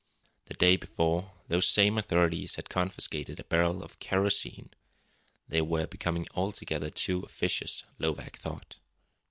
The day before those same authorities had confiscated a barrel of "kerosene." They were becoming altogether too officious, Lovak thought.